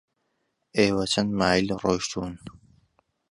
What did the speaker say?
ئێوە چەند مایل ڕۆیشتوون؟